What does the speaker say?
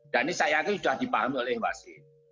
dan ini saya yakin sudah dipahami oleh wasid